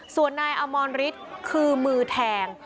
ส่วนนายอมรฤทธิ์คือมือแทง